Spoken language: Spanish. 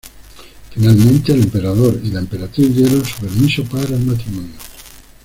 Finalmente, el emperador y la emperatriz dieron su permiso para el matrimonio.